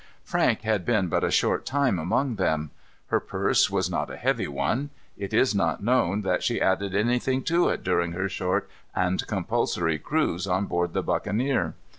Frank had been but a short time among them. Her purse was not a heavy one. It is not known that she added anything to it during her short and compulsory cruise on board the buccaneer.